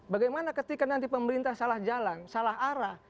bagaimana ketika nanti pemerintah salah jalan salah arah